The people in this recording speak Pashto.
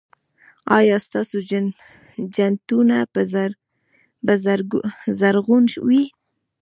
ایا ستاسو جنتونه به زرغون وي؟